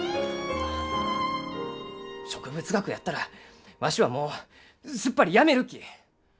植物学やったらわしはもうすっぱりやめるき！